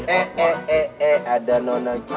eh eh eh eh ada nono gita